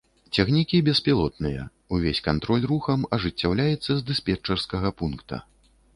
Цягнікі беспілотныя, увесь кантроль рухам ажыццяўляецца з дыспетчарскага пункта.